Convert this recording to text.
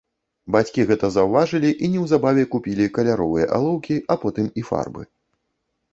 Бацькі гэта заўважылі і неўзабаве купілі каляровыя алоўкі, а потым і фарбы.